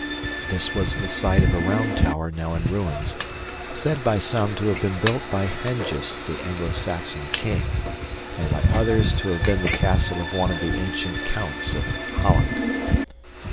This was the site of a round tower now in ruins, said by some to have been built by Hengist the Anglo Saxon king, and by others to have been the castle of one of the ancient counts of Holland.